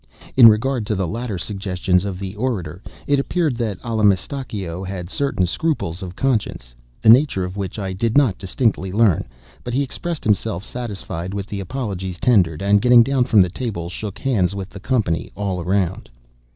In regard to the latter suggestions of the orator, it appears that Allamistakeo had certain scruples of conscience, the nature of which I did not distinctly learn; but he expressed himself satisfied with the apologies tendered, and, getting down from the table, shook hands with the company all round.